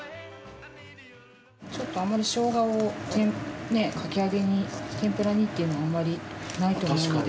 ちょっとあんまりショウガをかき揚げに天ぷらにっていうのはあんまりないと思うので。